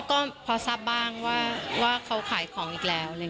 ก็พอทราบบ้างว่าเขาขายของอีกแล้ว